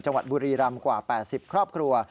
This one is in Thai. จังหวัดบุรีรำกว่า๘๐ครอบครัว